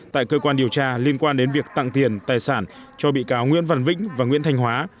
tại cơ quan điều tra liên quan đến việc tặng tiền tài sản cho bị cáo nguyễn văn vĩnh và nguyễn thanh hóa